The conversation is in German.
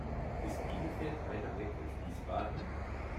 Ist Bielefeld weiter weg als Wiesbaden?